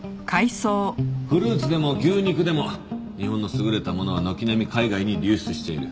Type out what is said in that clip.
フルーツでも牛肉でも日本の優れたものは軒並み海外に流出している。